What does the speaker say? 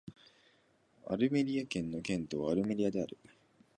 アルメリア県の県都はアルメリアである